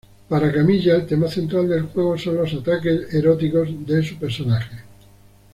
Para Kamiya, el tema central del juego son los ataques "eróticos" de su personaje.